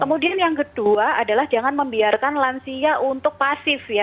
kemudian yang kedua adalah jangan membiarkan lansia untuk pasif ya